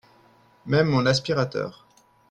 Même mon aspirateur